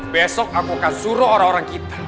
besok aku akan suruh orang orang kita